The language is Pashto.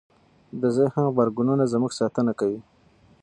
د ذهن غبرګونونه زموږ ساتنه کوي.